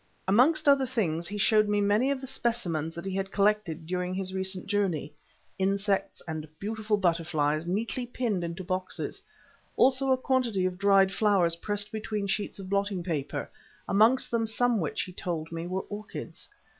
Amongst other things, he showed me many of the specimens that he had collected during his recent journey; insects and beautiful butterflies neatly pinned into boxes, also a quantity of dried flowers pressed between sheets of blotting paper, amongst them some which he told me were orchids.